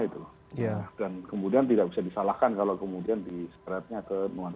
dan kemudian tidak bisa disalahkan kalau kemudian dispraytnya ke bumn